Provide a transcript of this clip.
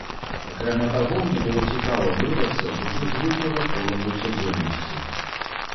Акрамя таго, мне было цікава вырвацца з ужо звыклага кола паўсядзённасці.